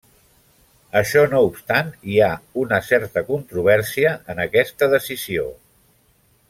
Això no obstant, hi ha una certa controvèrsia en aquesta decisió.